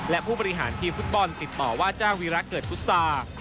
และผู้บริหารทีมฟุตบอลติดต่อว่าจ้างวีรักษ์เกิดพุษา